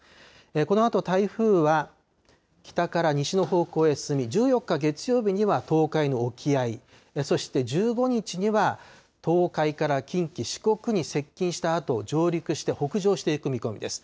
このあと台風は、北から西の方向へ進み、１４日月曜日には東海の沖合、そして１５日には東海から近畿、四国に接近したあと、上陸して北上していく見込みです。